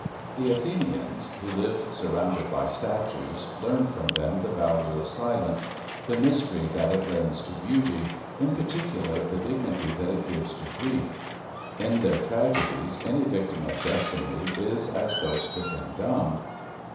The Athenians, who lived surrounded by statues, learned from them the value of silence, the mystery that it lends to beauty, in particular the dignity that it gives to grief. In their tragedies any victim of destiny is as though stricken dumb.